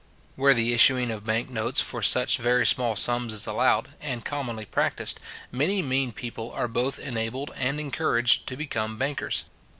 Where the issuing of bank notes for such very small sums is allowed, and commonly practised, many mean people are both enabled and encouraged to become bankers.